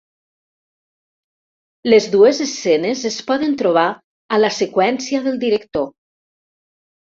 Les dues escenes es poden trobar a la seqüència del director.